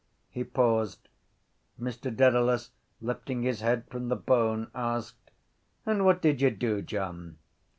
He paused. Mr Dedalus, lifting his head from the bone, asked: —And what did you do, John?